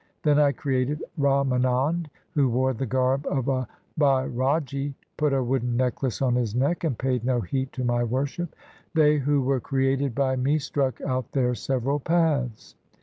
Then I created Ramanand Who wore the garb of a Bairagi, Put a wooden necklace on his neck, And paid no heed to My worship. 1 They who were created by Me Struck out their several paths.